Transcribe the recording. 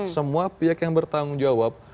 semua pihak yang bertanggung jawab